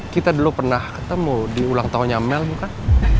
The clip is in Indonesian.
kita dulu pernah ketemu di ulang tahunnya mel bukan